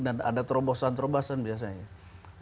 dan ada terobosan terobosan biasanya